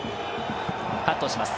カットします。